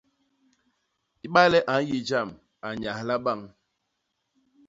Ibale a nyi jam a nyahla bañ.